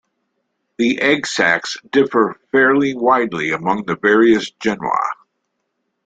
The egg sacs differ fairly widely among the various genera.